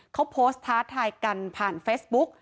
เขาโพสต์ท้าทายกันผ่านเฟซบุ๊ก